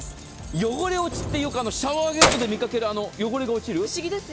汚れ落ちって、よくシャワーヘッドで見かける汚れも落ちる？